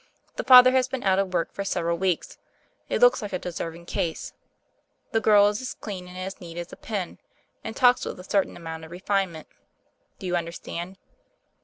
The father has been out of work for several weeks. It looks like a deserving case. The girl is as clean and as neat as a pin, and talks with a certain amount of refinement. Do you understand?"